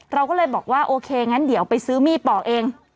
เราก็เลยบอกว่าโอเคงั้นเดี๋ยวไปซื้อมีดปอกเอง